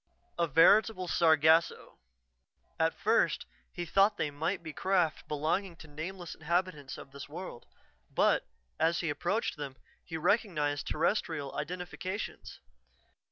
A veritable sargasso. At first, he thought they might be craft belonging to nameless inhabitants of this world, but, as he approached them, he recognized Terrestrial identifications.